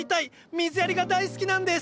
水やりが大好きなんです！